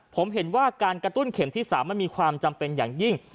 ผมเห็นว่าการกระตุ้นเข็มที่๓มันมีความจำเป็นอย่างยิ่ง